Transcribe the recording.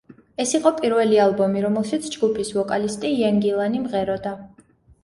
ეს იყო პირველი ალბომი, რომელშიც ჯგუფის ვოკალისტი იენ გილანი მღეროდა.